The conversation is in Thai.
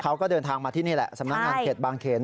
เขาก็เดินทางมาที่นี่แหละสำนักงานเขตบางเขน